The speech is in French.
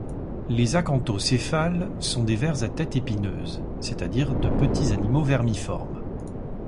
Les acanthocéphales sont des vers à tête épineuse, c'est-à-dire de petits animaux vermiformes.